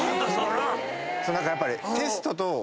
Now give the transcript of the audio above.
何かやっぱり。